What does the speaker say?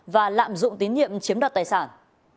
và lạm dụng tín nhiệm chiếm đoạt tài sản